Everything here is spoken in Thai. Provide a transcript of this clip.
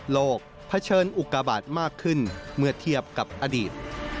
เผชิญอุกาบาทมากขึ้นเมื่อเทียบกับอดีต